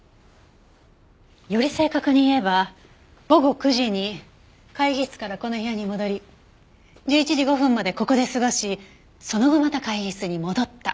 より正確に言えば午後９時に会議室からこの部屋に戻り１１時５分までここで過ごしその後また会議室に戻った。